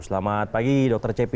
selamat pagi dr cepi